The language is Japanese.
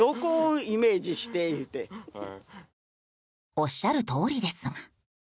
おっしゃるとおりですが。